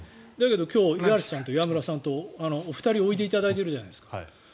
だけど、今日岩村さんと五十嵐さんとお二人おいでいただいているじゃないですか。